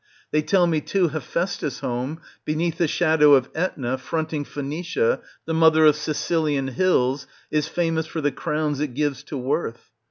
They tell me too Hephaestus' home, beneath the shadow of ^Etna, fronting Phoenicia, the mother of Sicilian hills, is famous for the crowns it gives to worth.